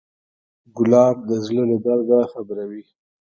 ګلاب د زړه له درده خبروي.